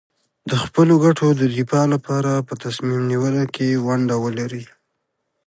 د خپلو ګټو د دفاع لپاره په تصمیم نیونه کې ونډه ولري.